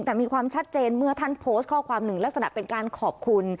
แต่มีความชัดเจนเมื่อท่านโพสต์ข้อความหนึ่งลักษณะเป็นการขอบคุณ